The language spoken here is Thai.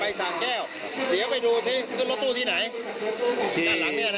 สามแก้วเดี๋ยวไปดูที่ขึ้นรถตู้ที่ไหนที่ด้านหลังเนี่ยนะ